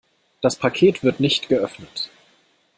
Das Paket wird nicht geöffnet.